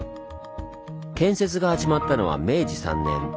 建設が始まったのは明治３年。